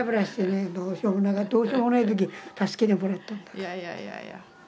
いやいやいやいや。